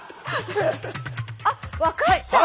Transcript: あっ分かった！